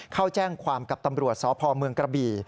เข้าแจ้งความกับตำรวจสพเมืองกระบี่